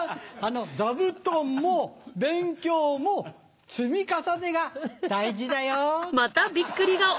座布団も勉強も積み重ねが大事だよ。